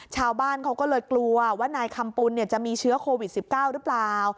ชาวบ้านเขาก็เลยกลัวว่านายคำปุ่นจะมีเชื้อโควิด๑๙หรือเปล่า